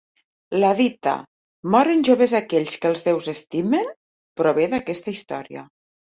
La dita "moren joves aquells que els deus estimen" prové d'aquesta història.